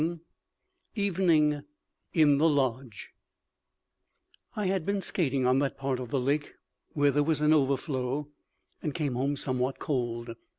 VII EVENING IN THE LODGE I had been skating on that part of the lake where there was an overflow, and came home somewhat cold.